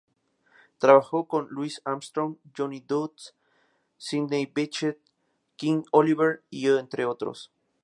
Trabajó con Louis Armstrong, Johnny Dodds, Sidney Bechet y King Oliver, entre otros.